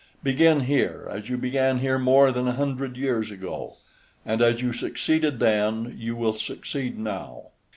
Begin here, as you began here more than a hundred years ago, and as you succeeded then you will succeed now.